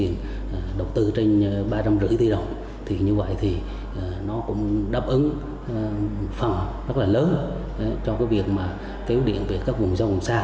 nó cũng đáp ứng phần rất là lớn cho việc kéo điện về các vùng sâu vùng xa